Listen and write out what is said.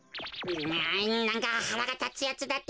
えなんかはらがたつやつだってか。